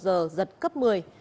giật cấp một mươi